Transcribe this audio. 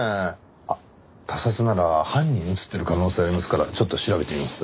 あっ他殺なら犯人映ってる可能性ありますからちょっと調べてみます。